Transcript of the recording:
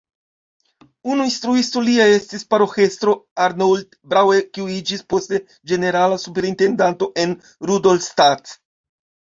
Unu instruisto lia estis paroĥestro Arnold Braue kiu iĝis poste ĝenerala superintendanto en Rudolstadt.